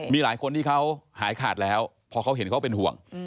มีหลายคนที่เขาหายขาดแล้วพอเขาเห็นเขาเป็นห่วง